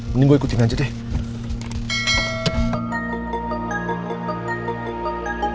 mending gua ikutin lanjut ya